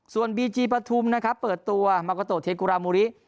ส่วนบีจีปฐุมนะครับเปิดตัวมาโกโตเทกุรามูริ